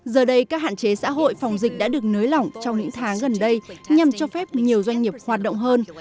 giờ đây các hạn chế xã hội phòng dịch đã được nới lỏng trong những tháng gần đây nhằm cho phép nhiều doanh nghiệp hoạt động hơn